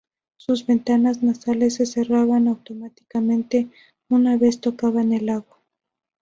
Sus ventanas nasales se cerraban automáticamente una vez tocaban el agua.